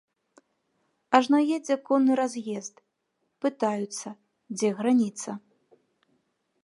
Ажно едзе конны раз'езд, пытаюцца, дзе граніца.